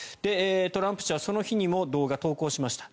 トランプ氏はその日にも動画投稿しました。